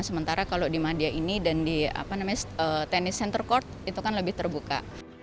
sementara kalau di madia ini dan di tenis center court itu kan lebih terbuka